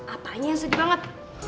apanya yang sedih banget